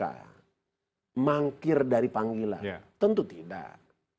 menganggap dari panggilan tentu tidak